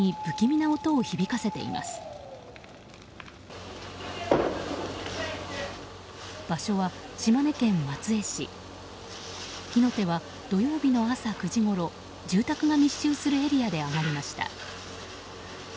火の手は土曜日の朝９時ごろ住宅が密集するエリアで上がりました。